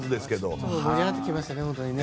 盛り上がってきましたね。